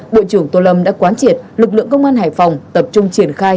bộ trưởng tô lâm đã quán triệt lực lượng công an hải phòng tập trung triển khai